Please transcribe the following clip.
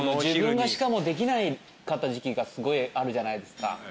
自分がしかもできなかった時期がすごいあるじゃないですか。